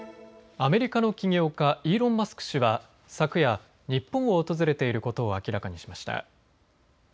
アメリカの起業家、イーロン・マスク氏は昨夜、日本を訪れていることを明らかにしました。